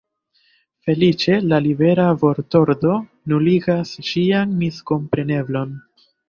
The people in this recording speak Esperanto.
Feliĉe la libera vortordo nuligas ĉian miskompreneblon.